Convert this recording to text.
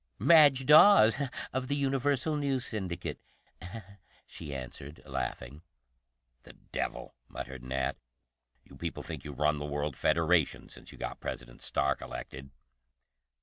"Madge Dawes, of the Universal News Syndicate," she answered, laughing. "The devil!" muttered Nat. "You people think you run the World Federation since you got President Stark elected."